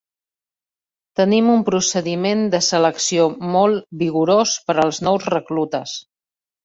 Tenim un procediment de selecció molt vigorós per als nous reclutes.